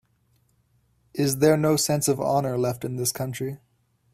Is there no sense of honor left in this country?